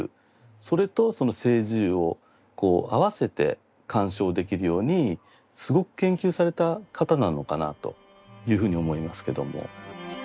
それとその青磁釉をあわせて鑑賞できるようにすごく研究された方なのかなというふうに思いますけども。